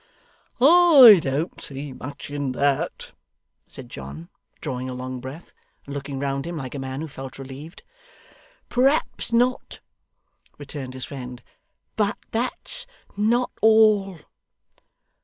'I don't see much in that,' said John, drawing a long breath, and looking round him like a man who felt relieved. 'Perhaps not,' returned his friend, 'but that's not all.